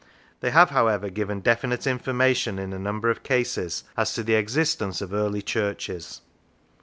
They have, however, given definite information in a number of cases as to the existence of early churches.